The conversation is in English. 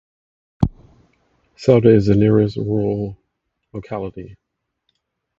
Salda is the nearest rural locality.